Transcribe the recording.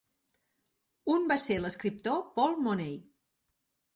Un va ser l'escriptor Paul Mooney.